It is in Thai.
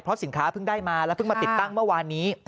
สินค้าเพิ่งได้มาแล้วเพิ่งมาติดตั้งเมื่อวานนี้